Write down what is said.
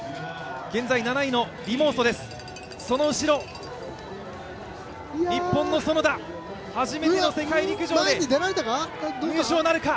現在７位の選手です、その後ろ、日本の園田、初めての世界陸上で入賞なるか？